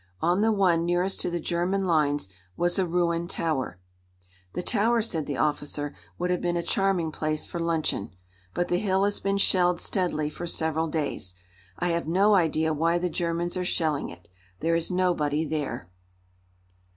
On the one nearest to the German lines was a ruined tower. "The tower," said the officer, "would have been a charming place for luncheon. But the hill has been shelled steadily for several days. I have no idea why the Germans are shelling it. There is nobody there."